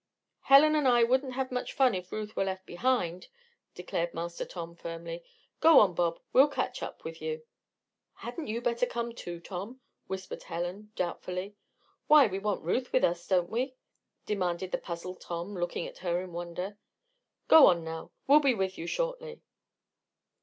"Helen and I wouldn't have much fun if Ruth were left behind," declared Master Tom, firmly. "Go on, Bob; we'll catch up with you." "Hadn't you better come, too, Tom?" whispered Helen, doubtfully. "Why, we want Ruth with us; don't we?" demanded the puzzled Tom, looking at her in wonder. "Go on, Nell. We'll be with you shortly."